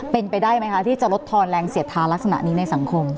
เป็นไปได้ไหมคะที่จะลดทอนแรงเสียดทาลักษณะนี้ในสังคม